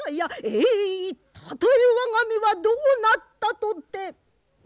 えいたとえ我が身はどうなったとて。